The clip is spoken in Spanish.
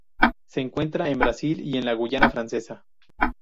Se encuentra en Brasil y en la Guayana Francesa.